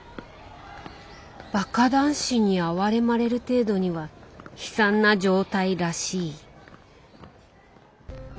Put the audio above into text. バカ男子に哀れまれる程度には悲惨な状態らしい。